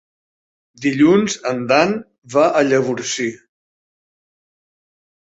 Dilluns en Dan va a Llavorsí.